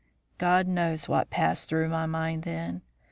"God knows what passed through my mind then.